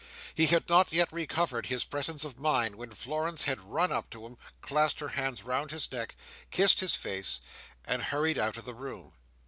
He had not yet recovered his presence of mind, when Florence had run up to him, clasped her hands round his neck, kissed his face, and hurried out of the room.